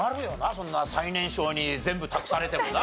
そんな最年少に全部託されてもな。